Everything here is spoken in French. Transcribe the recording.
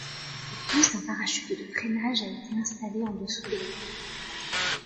De plus, un parachute de freinage a été installé en dessous de la dérive.